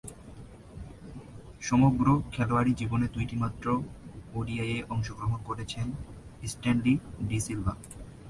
সমগ্র খেলোয়াড়ী জীবনে দুইটিমাত্র ওডিআইয়ে অংশগ্রহণ করেছেন স্ট্যানলি ডি সিলভা।